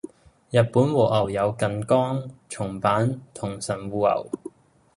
日本和牛有近江、松阪同神戶牛